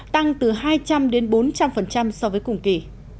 tăng từ hai trăm linh đến bốn trăm linh so với cùng kỳ